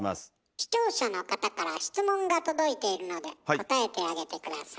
視聴者の方から質問が届いているので答えてあげて下さい。